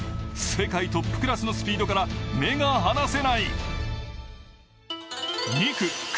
世界トップクラスのスピードから目が離せない。